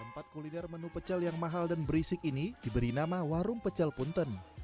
tempat kuliner menu pecel yang mahal dan berisik ini diberi nama warung pecel punten